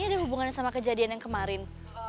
ini ada hubungannya sama kejadian yang kemarin